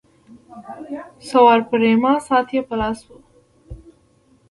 سوار پریما ساعت یې په لاس وو.